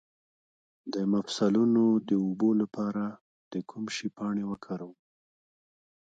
د مفصلونو د اوبو لپاره د کوم شي پاڼې وکاروم؟